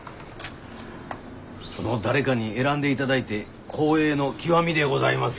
その「誰か」に選んで頂いて光栄の極みでございます。